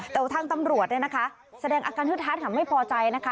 แต่ว่าทางตำรวจแสดงอาการฮืดฮาตไม่พอใจ